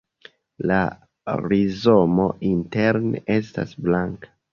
La rizomo interne estas blanka.